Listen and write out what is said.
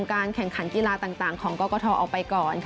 การแข่งขันกีฬาต่างของกรกฐออกไปก่อน